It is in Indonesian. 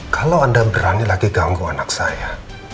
kalau sendirian anda berani lagi mengganggu anak saya